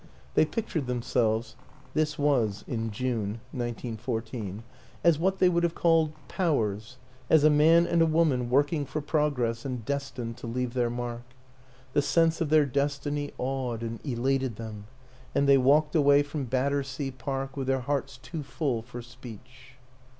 They pic tured themselves (this was in June, 1914) as what they would have called Powers as a man and a woman working for progress and destined to leave their mark. The sense of their destiny awed and elated them and they walked away from Battersea Park with their hearts too full for speech.